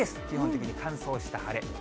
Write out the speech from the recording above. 基本的に乾燥した晴れ。